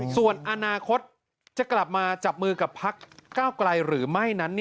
ส่วนอนาคตจะกลับมาจับมือกับพักก้าวไกลหรือไม่นั้น